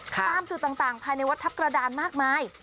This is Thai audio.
ตามจุดต่างภายในวัดทัพกระดานมากมาย